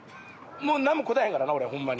もうなんも答えへんからな俺ホンマに。